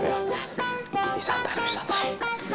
lebih santai lebih santai